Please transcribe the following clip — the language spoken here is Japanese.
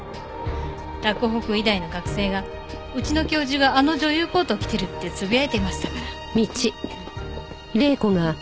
洛北医大の学生がうちの教授があの女優コートを着てるってつぶやいていましたから。